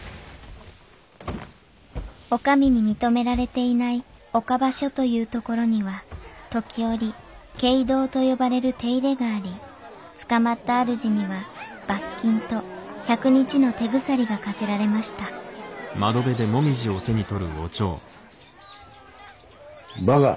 お上に認められていない岡場所というところには時折警動と呼ばれる手入れがあり捕まった主には罰金と１００日の手鎖が科せられました馬鹿！